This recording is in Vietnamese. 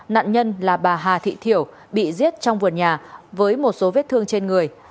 nạn nhân là bà hà thị thiểu bị giết trong vườn nhà với một số vết thương trên người